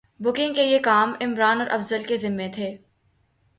booking کا یہ کام عمران اور افضال کے ذمے تھے